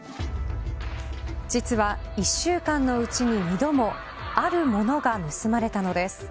実は、１週間のうちに２度もある物が盗まれたのです。